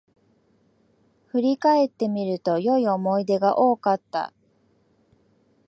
振り返ってみると、良い思い出が多かった